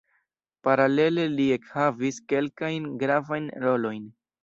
Paralele, li ekhavis kelkajn gravajn rolojn.